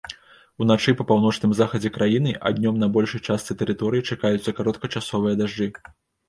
Уначы па паўночным захадзе краіны, а днём на большай частцы тэрыторыі чакаюцца кароткачасовыя дажджы.